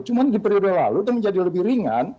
cuma di periode lalu itu menjadi lebih ringan